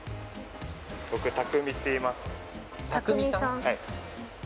僕匠っていいます匠さん